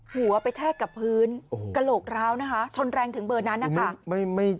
หัวไปแทกกับพื้นกระโหลกร้าวนะคะชนแรงถึงเบอร์นั้นนะคะ